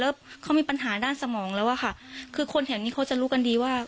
แล้วเขามีปัญหาด้านสมองแล้วอะค่ะคือคนแถวนี้เขาจะรู้กันดีว่า